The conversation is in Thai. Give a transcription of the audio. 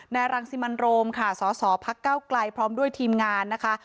รังสิมันโรมค่ะสสพักเก้าไกลพร้อมด้วยทีมงานนะคะ